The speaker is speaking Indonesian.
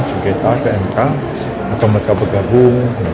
sengketa ke mk atau mereka bergabung